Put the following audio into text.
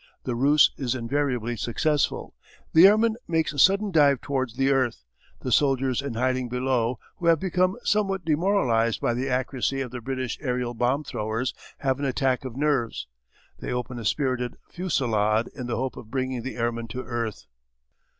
The ruse is invariably successful. The airman makes a sudden dive towards the earth. The soldiers in hiding below, who have become somewhat demoralised by the accuracy of the British aerial bomb throwers, have an attack of nerves. They open a spirited fusillade in the hope of bringing the airman to earth.